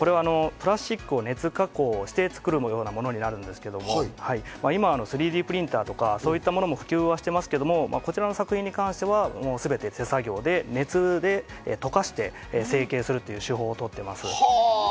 プラスチックを熱加工して作るようなものになるんですけど、今３Ｄプリンターとか、そういうものも普及していますが、こちらの作品に関しては、すべて手作業で熱で溶かして成形する手法を使っています。